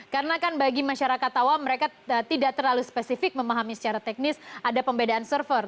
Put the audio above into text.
karena kan bagi masyarakat awam mereka tidak terlalu spesifik memahami secara teknis ada pembedaan server